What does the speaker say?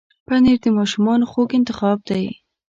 پنېر د ماشومانو خوږ انتخاب دی.